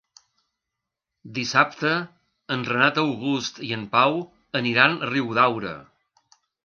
Dissabte en Renat August i en Pau aniran a Riudaura.